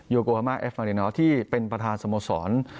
โกฮามาเอฟมารินอที่เป็นประธานสโมสร